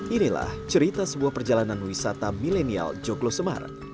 inilah cerita sebuah perjalanan wisata milenial joklo semarang